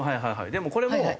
でもこれも。